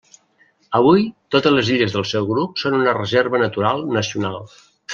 Avui totes les illes del seu grup són una reserva natural nacional.